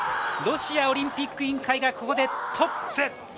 ロシアオリンピック委員会がここでトップ。